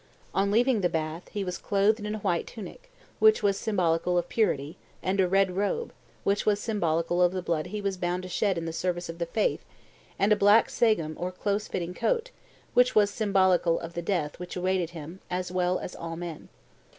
On leaving the bath, he was clothed in a white tunic, which was symbolical of purity, and a red robe, which was symbolical of the blood he was bound to shed in the service of the faith, and a black sagum or close fitting coat, which was symbolical of the death which awaited him as well as all men.